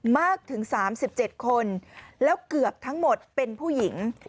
มากถึง๓๗คนแล้วเกือบทั้งหมดเป็นผู้หญิง